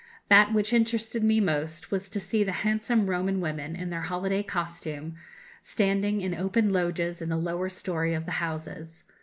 That which interested me most was to see the handsome Roman women, in their holiday costume, standing in open loges in the lower story of the houses.